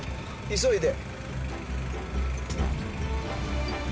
急いで。